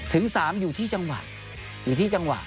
ถึง๓อยู่ที่จังหวะ